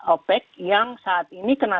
opec yang saat ini kena